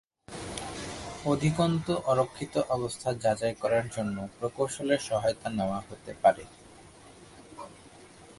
অধিকন্তু অরক্ষিত অবস্থা যাচাই করার জন্য প্রকৌশলের সহায়তা নেওয়া হতে পারে।